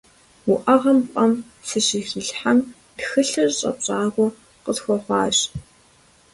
УӀэгъэм пӀэм сыщыхилъхьэм, тхылъыр щӀэпщакӀуэ къысхуэхъуащ.